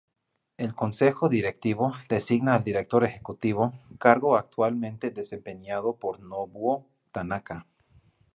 El Consejo directivo designa al Director ejecutivo, cargo actualmente desempeñado por Nobuo Tanaka.